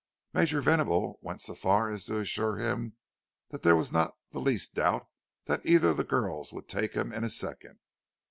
Major Venable went so far as to assure him that there was not the least doubt that either of the girls would take him in a second.